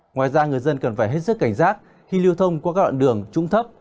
ngoài ra người dân cần phải hết sức cảnh giác khi lưu thông qua các đoạn đường trũng thấp